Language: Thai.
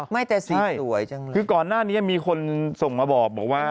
ไม่แต่สีสวยจังเลยคือก่อนหน้านี้มีคนส่งมาบอกว่า